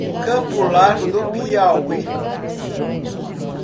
Campo Largo do Piauí